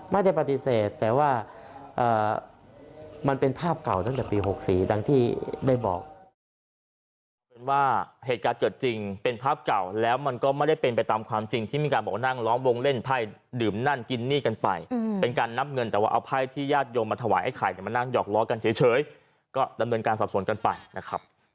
มันเป็นภาพเก่าตั้งแต่ปี๖สีดังที่ได้บอก